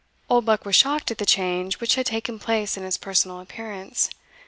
Oldbuck was shocked at the change which had taken place in his personal appearance.